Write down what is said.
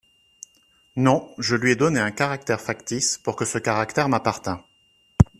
Non, je lui ai donné un caractère factice, pour que ce caractère m’appartint…